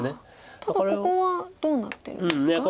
ただここはどうなっているんですか？